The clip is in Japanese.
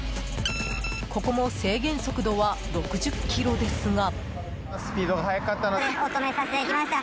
ここも制限速度は６０キロですが。